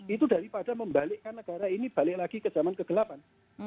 itu daripada membalikkan negara ini balik lagi ke zaman kegelapan